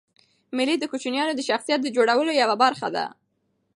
مېلې د کوچنيانو د شخصیت د جوړولو یوه برخه ده.